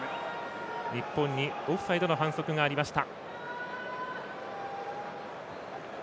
日本にオフサイドの反則がありました。